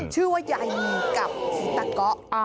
ชื่อว่ายายนีกับตะก๊อ